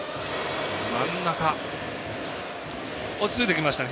落ち着いてきましたね。